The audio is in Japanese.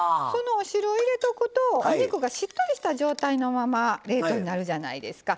お汁を入れておくとお肉がしっとりした状態のまま冷凍になるじゃないですか。